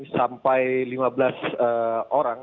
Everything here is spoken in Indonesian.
sampai lima belas orang